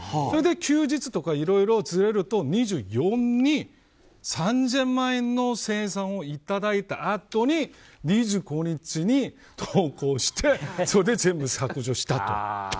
それで休日とかずれると、２４に３０００万円の精算をいただいたあとに２５日に、投稿してそれで全部削除したと。